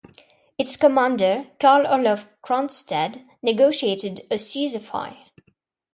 Its commander, Carl Olof Cronstedt, negotiated a cease-fire.